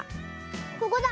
ここだ。